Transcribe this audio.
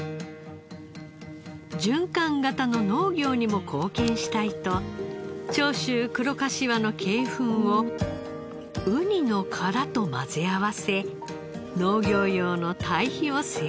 循環型の農業にも貢献したいと長州黒かしわの鶏ふんをウニの殻と混ぜ合わせ農業用の堆肥を製造。